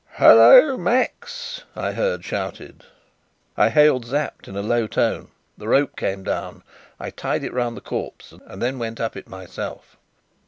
"Hullo, Max!" I heard shouted. I hailed Sapt in a low tone. The rope came down. I tied it round the corpse, and then went up it myself.